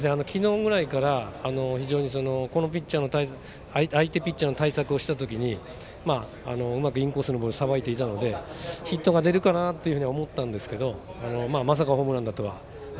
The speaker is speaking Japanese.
前から相手ピッチャーの対策をした時にうまくインコースのボールをさばいていたのでヒットが出るかなと思ったんですがまさかホームランだとは。